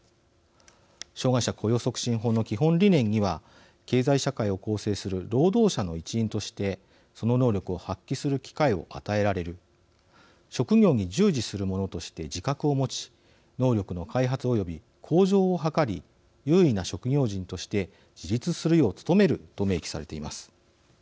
障害者雇用促進法の基本理念には経済社会を構成する労働者の一員としてその能力を発揮する機会を与えられる職業に従事する者として自覚を持ち能力の開発および向上を図り有為な職業人として自立するよう努めると明記されています。